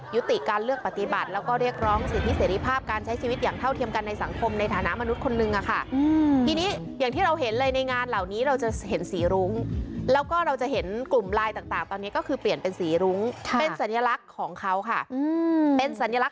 ยุติการเลือกปฏิบัติแล้วก็เรียกร้องสิทธิเสรีภาพการใช้ชีวิตอย่างเท่าเทียมกันในสังคมในฐานะมนุษย์คนหนึ่งอะค่ะ